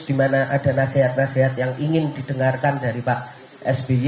di mana ada nasihat nasihat yang ingin didengarkan dari pak sby